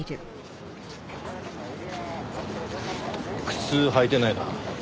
靴履いてないな。